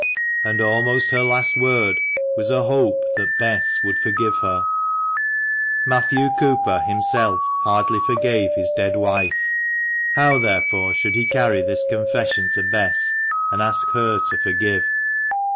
And almost her last word was a hope that Bess would forgive her. Matthew Cooper himself hardly forgave his dead wife. How, therefore, should he carry this confession to Bess, and ask her to forgive